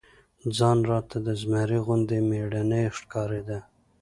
ځان راته د زمري غوندي مېړنى ښکارېده.